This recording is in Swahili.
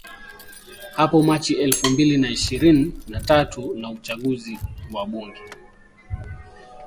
hapo Machi elfu mbili na ishirin na tatu na uchaguzi wa bunge